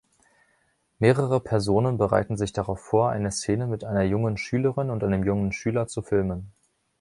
Mehrere Personen bereiten sich darauf vor, eine Szene mit einer jungen Schülerin und einem jungen Schüler zu filmen.